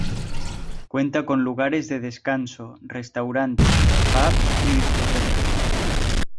Cuenta con lugares de descanso, restaurantes, pubs y discotecas.